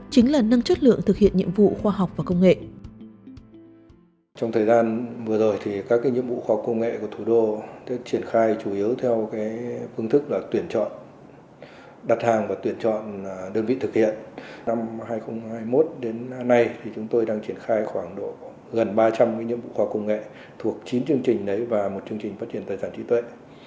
chính là nâng chất lượng thực hiện nhiệm vụ khoa học và công nghệ